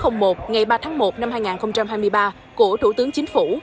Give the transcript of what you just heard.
ngày ba tháng một năm hai nghìn hai mươi ba của thủ tướng chính phủ